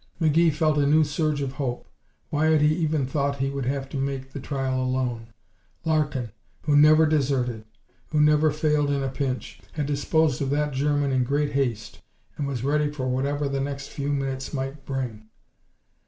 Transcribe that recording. McGee felt a new surge of hope. Why had he even thought he would have to make the trial alone? Larkin, who never deserted, who never failed in a pinch, had disposed of that German in great haste and was ready for whatever the next few minutes might bring.